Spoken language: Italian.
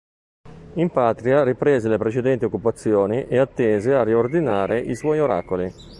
In patria riprese le precedenti occupazioni e attese a riordinare i suoi oracoli.